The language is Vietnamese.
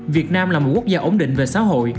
việt nam là một quốc gia ổn định về xã hội